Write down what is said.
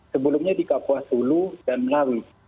sebelumnya di kapuas hulu dan melawi